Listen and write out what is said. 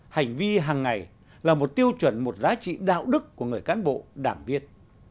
hành vi hàng ngày là một tiêu chuẩn một giá trị đạo đức của người cán bộ đảng viên